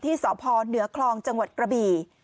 ที่สพเหนือคลองจังหวัดกระบี่